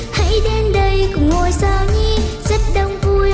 hai đêm đầy cũng ngồi sao nhi